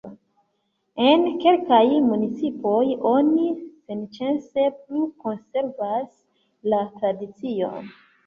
En kelkaj municipoj oni senĉese plu konservas la tradicion.